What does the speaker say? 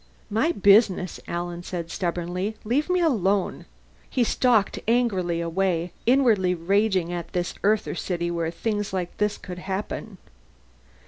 "My business," Alan said stubbornly. "Leave me alone." He stalked angrily away, inwardly raging at this Earther city where things like this could happen.